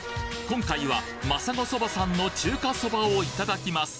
今回はまさごそばさんの中華そばをいただきます